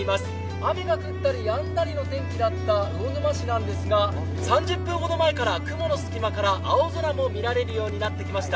雨が降ったりやんだりの天気だった魚沼市だったんですが、３０分ほど前から、雲の隙間から青空も見られるようになってきました。